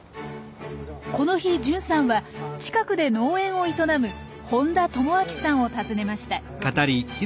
この日純さんは近くで農園を営む本多知明さんを訪ねました。